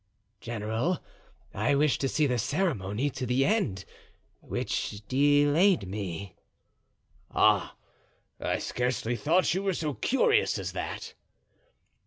"General, I wished to see the ceremony to the end, which delayed me." "Ah! I scarcely thought you were so curious as that."